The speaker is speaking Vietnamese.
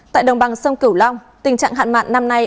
tại đồng bằng sông cửu long tình trạng hạn mặn năm nay